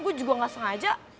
gue juga gak sengaja